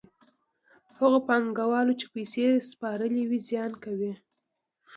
هغو پانګوالو چې پیسې سپارلې وي زیان کوي